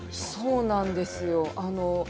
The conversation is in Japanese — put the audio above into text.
そうなんですよ。